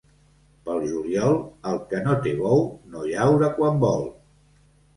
Pel juliol, el que no té bou, no llaura quan vol.